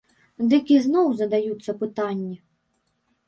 Дык ізноў задаюцца пытанні.